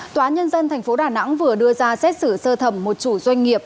tòa nhân dân thành phố đà nẵng vừa đưa ra xét xử sơ thẩm một chủ doanh nghiệp